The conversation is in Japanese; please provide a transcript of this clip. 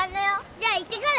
じゃあいってくる！